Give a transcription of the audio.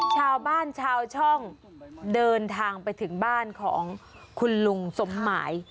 ชาวบ้านชาวช่องเดินทางไปถึงบ้านของคุณลุงสมหมาย